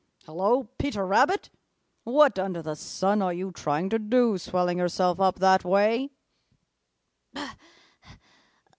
Hello, Peter Rabbit! What under the sun are you trying to do, swelling yourself up that way?"